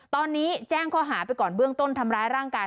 ตอนนี้แจ้งข้อหาไปก่อนเบื้องต้นทำร้ายร่างกาย